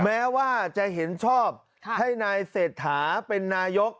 แม้ว่าจะเห็นชอบให้นายเศรษฐาเป็นนายก